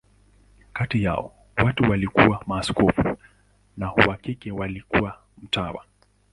Kati yao, watatu walikuwa maaskofu, na wa kike alikuwa mtawa.